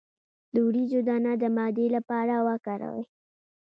د وریجو دانه د معدې لپاره وکاروئ